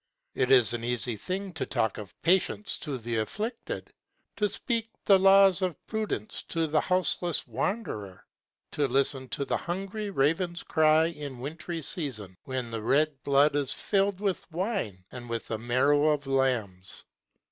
It is an easy thing to talk of patience to the afflicted, To speak the laws of prudence to the houseless wanderer, To listen to the hungry raven's cry in wintry season When the red blood is fill'd with wine and with the marrow of lambs.